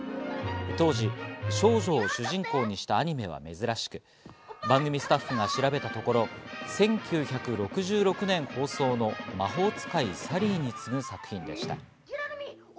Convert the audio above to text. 当時少女を主人公にしたアニメは珍しく、番組スタッフが調べたところ、１９６６年放送の『魔法使いサリー』に次ぐ作品でした。